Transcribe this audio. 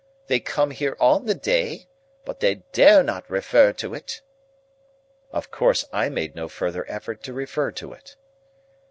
They come here on the day, but they dare not refer to it." Of course I made no further effort to refer to it.